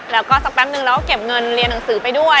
แล้วก็สักแป๊บนึงเราก็เก็บเงินเรียนหนังสือไปด้วย